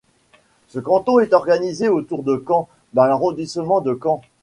Ce canton est organisé autour de Caen dans l'arrondissement de Caen.